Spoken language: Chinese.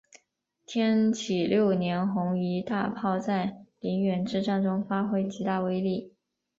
天启六年红夷大炮在宁远之战中发挥极大威力。